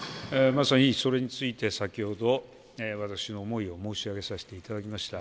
まさにそれについて先ほど、私の思いを申し上げておりました。